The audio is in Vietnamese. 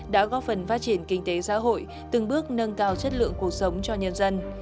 đã góp phần phát triển kinh tế xã hội từng bước nâng cao chất lượng cuộc sống cho nhân dân